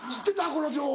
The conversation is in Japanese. この情報。